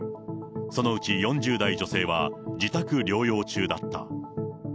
そのうち４０代女性は、自宅療養中だった。